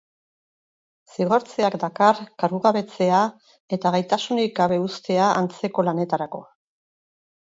Zigortzeak dakar kargugabetzea eta gaitasunik gabe uztea antzeko lanetarako.